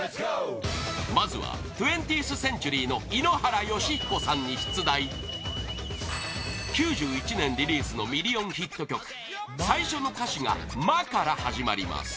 まずは２０ｔｈＣｅｎｔｕｒｙの井ノ原快彦さんに出題９１年リリースのミリオンヒット曲最初の歌詞が「ま」から始まります